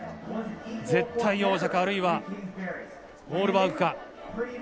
絶対王者かあるいはウォールバーグか。